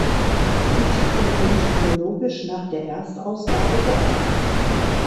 Die Titel sind chronologisch nach der Erstausgabe geordnet.